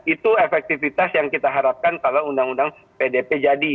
itu efektivitas yang kita harapkan kalau undang undang pdp jadi